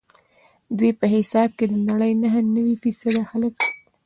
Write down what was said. ددوی په حساب د نړۍ نهه نوي فیصده خلک.